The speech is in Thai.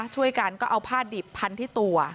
ช่วยกันก็เอาผ้าดิบพันที่ตัว